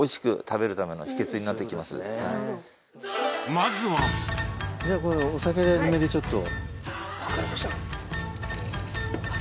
まずはじゃあお酒でぬめりちょっと。